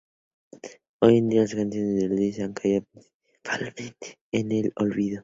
Hoy en día, las canciones de Liszt han caído prácticamente en el olvido.